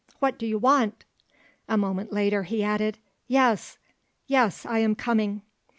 What do you want?" A moment later he added "Yes yes, I am coming."